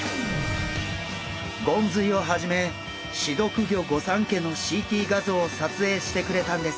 ゴンズイをはじめ刺毒魚御三家のＣＴ画像を撮影してくれたんです。